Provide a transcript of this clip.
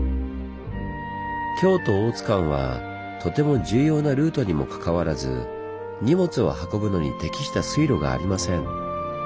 京都−大津間はとても重要なルートにもかかわらず荷物を運ぶのに適した水路がありません。